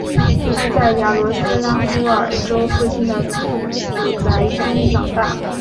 他在雅罗斯拉夫尔州父亲的祖宅中长大。